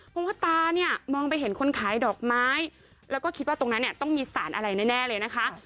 เพราะว่าตาเนี่ยมองไปเห็นคนขายดอกไม้แล้วก็คิดว่าตรงนั้นเนี่ยต้องมีสารอะไรแน่เลยนะคะ